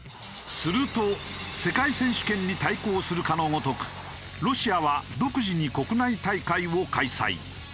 すると世界選手権に対抗するかのごとくロシアは独自に国内大会を開催。